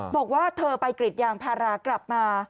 บอกว่าเธอไปกรีดยางพารากลับมา